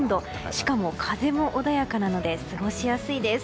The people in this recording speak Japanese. しかも風も穏やかなので過ごしやすいです。